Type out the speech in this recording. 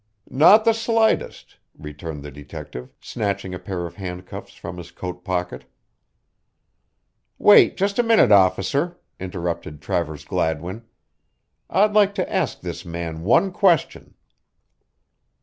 "Not the slightest," returned the detective, snatching a pair of handcuffs from his coat pocket. "Wait just a moment, officer," interrupted Travers Gladwin. "I'd like to ask this man one question."